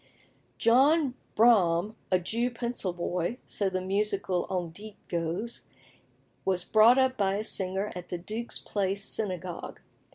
John Braham, a Jew pencil boy so the musical on dit goes was brought up by a singer at the Duke's Place Synagogue.